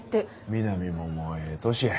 みなみももうええ年や。